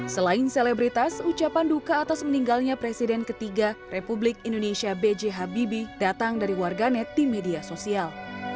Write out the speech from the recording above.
selain selebritas ucapan duka atas meninggalnya presiden ketiga republik indonesia b j habibie datang dari warganet di media sosial